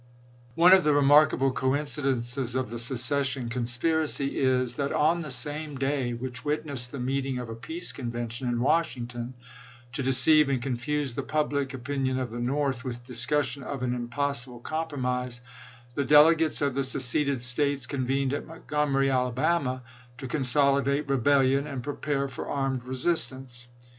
One of the remarkable coincidences of the seces sion conspiracy is, that on the same day which witnessed the meeting of a Peace Convention in Washington, to deceive and confuse the public opinion of the North with discussion of an impos sible compromise, the delegates of the seceded States convened at Montgomery, Alabama, to con solidate rebellion and prepare for armed resistance.